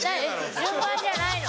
順番じゃないの？